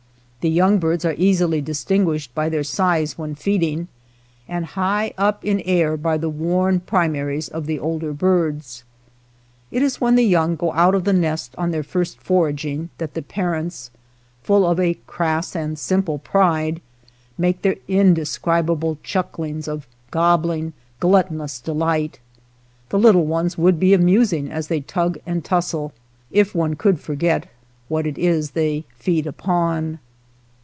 The young birds are easily distinguished by their size when feeding, and high up in air by the worn primaries of the older birds. It is when the young go out of the nest on their first foraging that the parents, full of a crass and simple pride, make their indescribable chucklings of gobbling, glut tonous delight. The little ones would be amusing as they tug and tussle, if one could forget what it is they feed upon.